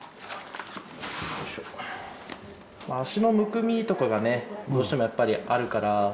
足のむくみとかがねどうしてもやっぱりあるから。